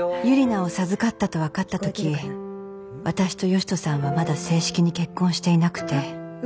ユリナを授かったと分かった時私と善人さんはまだ正式に結婚していなくて。